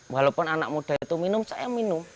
walaupun anak muda itu minum saya minum